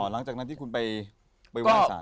หลังจากนั้นที่คุณไปไหว้สาร